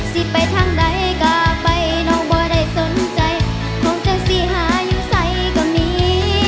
สิทธิ์ไปทางไหนกล้าไปน้องบ่ได้สนใจของเจ้าสีหายุไสก็มี